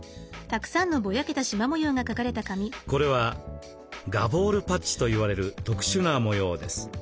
これはガボールパッチといわれる特殊な模様です。